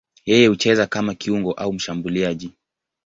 Yeye hucheza kama kiungo au mshambuliaji.